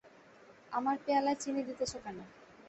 আমার পেয়ালায় চিনি দিতেছ কেন?